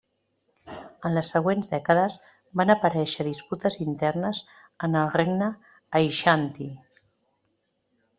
En les següents dècades van aparèixer disputes internes en el regne Aixanti.